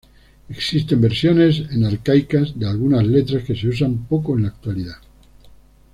Existen versiones en arcaicas de algunas letras que se usan poco en la actualidad.